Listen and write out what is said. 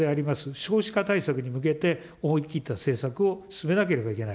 少子化対策に向けて、思い切った政策を進めなければいけない。